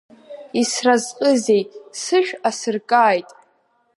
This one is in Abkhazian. Исразҟызеи, сышә асыркааит!